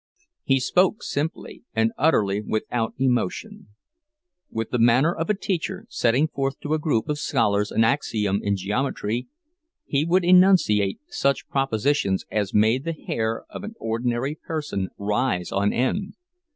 He spoke simply, and utterly without emotion; with the manner of a teacher setting forth to a group of scholars an axiom in geometry, he would enunciate such propositions as made the hair of an ordinary person rise on end.